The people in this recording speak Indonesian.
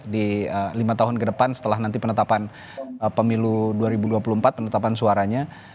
di lima tahun ke depan setelah nanti penetapan pemilu dua ribu dua puluh empat penetapan suaranya